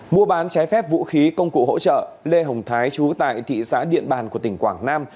mua bán trái phép vũ khí công cụ hỗ trợ lê hồng thái chú tại thị xã điện bàn của tỉnh quảng nam